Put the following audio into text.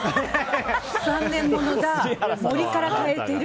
３年物が森から変えてる。